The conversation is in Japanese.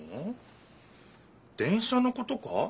電車のことか？